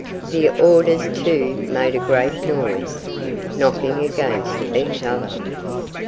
The orders too made a great noise, knocking against each other.